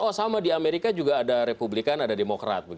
oh sama di amerika juga ada republikan ada demokrat